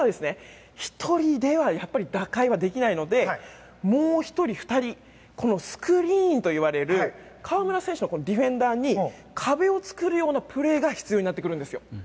１人では打開はできないのでもう１人、２人スクリーンといわれる河村選手のディフェンダーに壁を作るようなプレーが必要になってくるんですよ。